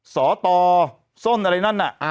สอตอส้นอะไรนั้น